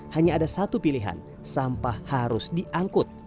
hanya ada satu pilihan sampah harus diangkut